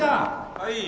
はい！